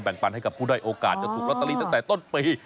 ปันให้กับผู้ได้โอกาสจะถูกลอตเตอรี่ตั้งแต่ต้นปี